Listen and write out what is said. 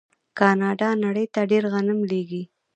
کاناډا نړۍ ته ډیر غنم لیږي.